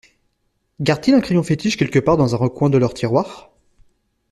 Gardent-ils un crayon fétiche quelque part dans un recoin de leur tiroir?